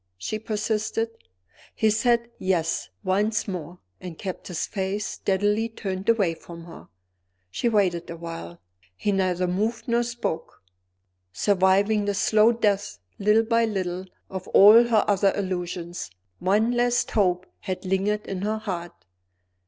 she persisted. He said "Yes" once more and kept his face steadily turned away from her. She waited a while. He neither moved nor spoke. Surviving the slow death little by little of all her other illusions, one last hope had lingered in her heart.